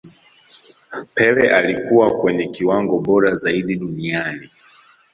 pele alikuwa kwenye kiwango bora zaidi duniani